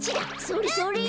それそれ！